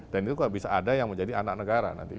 dan itu bisa ada yang menjadi anak negara nanti